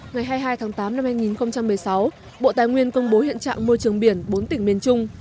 ngày hai mươi hai tháng tám năm hai nghìn một mươi sáu bộ tài nguyên công bố hiện trạng môi trường biển bốn tỉnh miền trung